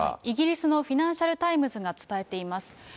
イギリスのフィナンシャル・タイムズが伝えています。